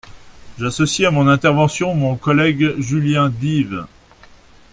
J’associe à mon intervention mon collègue Julien Dive.